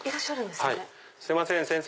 すいません先生！